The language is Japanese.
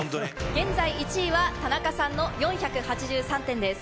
現在１位は田中さんの４８３点です。